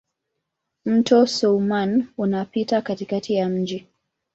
Mto Soummam unapita katikati ya mji.